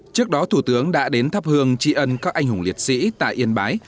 trước đó thủ tướng đã đến thắp hương tri ân các anh hùng liệt sĩ tại yên bái